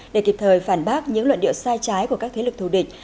để kịp thời phản bác những luận điệu sai trái của các thế lực thù địch